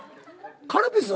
カルピス？